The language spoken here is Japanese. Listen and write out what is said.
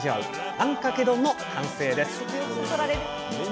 あんかけ丼の完成です！